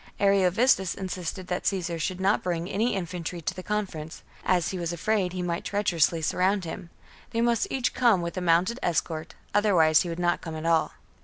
Ariovistus insisted that Caesar should not bring any infantry to the conference, as he was afraid he might treacherously surround him ; they must each come with a mounted escort, otherwise he would not come at all.